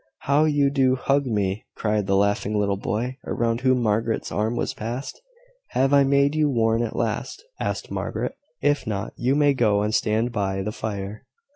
"How you do hug me!" cried the laughing little boy, around whom Margaret's arm was passed. "Have I made you warm at last?" asked Margaret. "If not, you may go and stand by the fire."